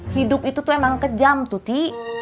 hidup itu tuh emang kejam tuh ti